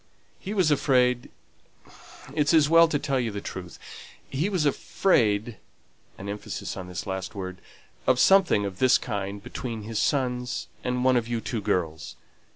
He was afraid it's as well to tell you the truth he was afraid" (an emphasis on this last word) "of something of this kind between his sons and one of you two girls.